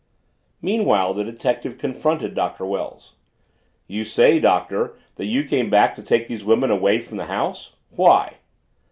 Meanwhile the detective confronted Doctor Wells. "You say, Doctor, that you came back to take these women away from the house. Why?"